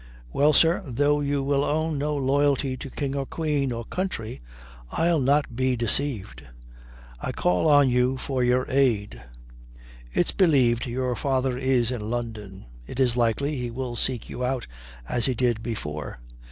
"Well, sir, though you will own no loyalty to king or queen or country, I'll not be deceived. I call on you for your aid. It's believed your father is in London. It is likely he will seek you out, as he did before.